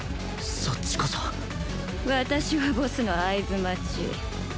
そっちこそ私はボスの合図待ち